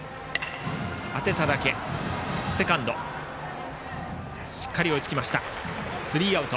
セカンドしっかり追いついてスリーアウト。